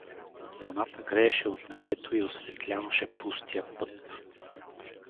Луната грееше от небето и осветляваше пустия път.